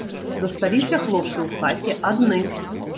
Засталіся хлопцы ў хаце адны.